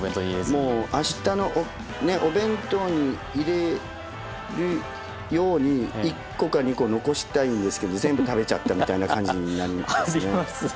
もうあしたのお弁当に入れるように１個か２個残したいんですけど全部食べちゃったみたいな感じになりますね。